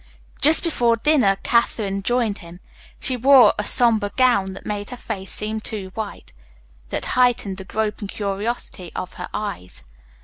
Just before dinner Katherine joined him. She wore a sombre gown that made her face seem too white, that heightened the groping curiosity of her eyes.